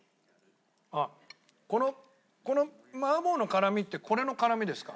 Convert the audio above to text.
あっこの麻婆の辛みってこれの辛みですか？